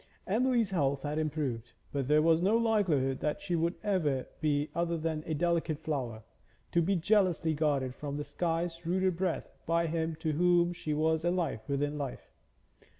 Emily's health had improved, but there was no likelihood that she would ever be other than a delicate flower, to be jealously guarded from the sky's ruder breath by him to whom she was a life within life.